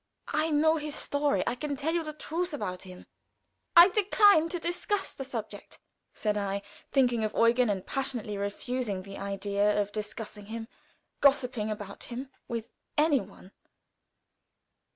"I know his story. I can tell you the truth about him." "I decline to discuss the subject," said I, thinking of Eugen, and passionately refusing the idea of discussing him, gossiping about him, with any one.